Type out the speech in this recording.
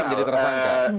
ya sudah terangkan